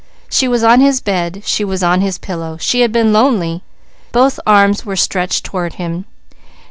_" She was on his bed; she was on his pillow; she had been lonely; both arms were stretched toward him.